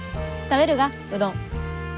食べるがうどん。